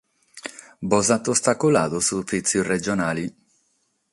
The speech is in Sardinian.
Bos at ostaculadu s’ufìtziu regionale?